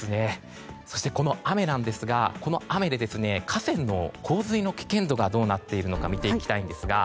そして、この雨ですがこの雨で河川の洪水の危険度がどうなっているのか見ていきたいんですが。